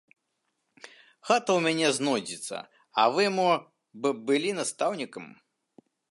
Хата ў мяне знойдзецца, а вы мо б былі настаўнікам.